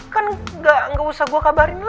kan gak usah gue kabarin lah